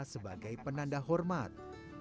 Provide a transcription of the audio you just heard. sebagai penanda hormat